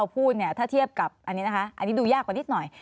พูดเนี่ยถ้าเทียบกับอันนี้นะคะอันนี้ดูยากกว่านิดหน่อย